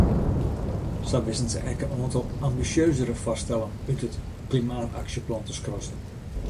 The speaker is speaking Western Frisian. Sa wisten se ek in oantal ambisjeuzere foarstellen út it klimaataksjeplan te skrassen.